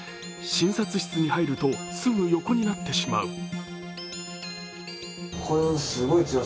診察室に入ると、すぐ横になってしまう。